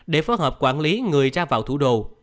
để phối hợp quản lý người ra vào thủ đô